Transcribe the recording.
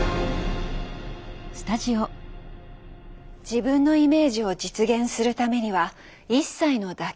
自分のイメージを実現するためには一切の妥協をしない。